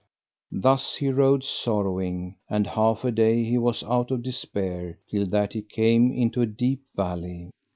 Thus he rode sorrowing, and half a day he was out of despair, till that he came into a deep valley.